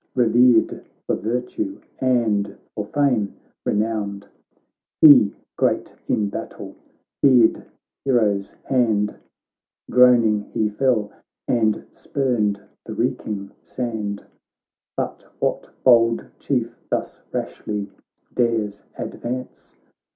Revered for virtue, and for fame re nowned ; He, great in battle, feared the hero's hand, Groaning he fell, and spurned the reeking sand. But what bold chief thus rashly dares advance